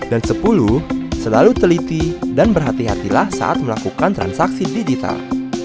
dan sepuluh selalu teliti dan berhati hatilah saat melakukan transaksi digital